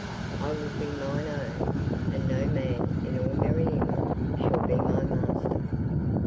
"I will be mine own, and no man in all merry England shall be my master."